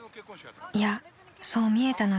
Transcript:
［いやそう見えたのです。